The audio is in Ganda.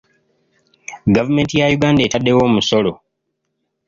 Gavumenti ya Uganda etadde wo omusolo